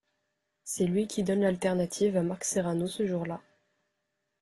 C'est lui qui donne l'alternative à Marc Serrano ce jour-là.